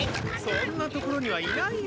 そんな所にはいないよ